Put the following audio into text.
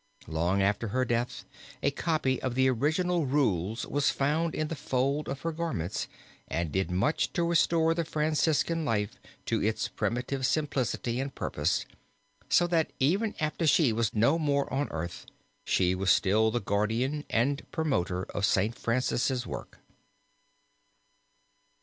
Long after her death a copy of the original rules was found in the fold of her garments and did much to restore the Franciscan life to its primitive simplicity and purpose, so that even after she was no more on earth, she was still the guardian and promoter of St. Francis' work.